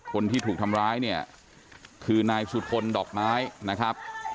คนที่ถูกทำร้ายเนี่ยคือนายสุธนดอกไม้นะครับ